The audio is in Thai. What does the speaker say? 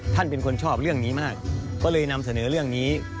เป็นคนชอบเรื่องนี้มากก็เลยนำเสนอเรื่องนี้